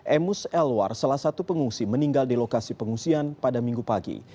emus elwar salah satu pengungsi meninggal di lokasi pengungsian pada minggu pagi